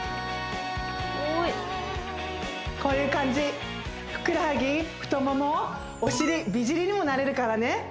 はいこういう感じふくらはぎ太ももお尻美尻にもなれるからね